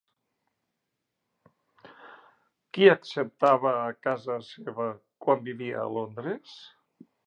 Qui acceptava a casa seva quan vivia a Londres?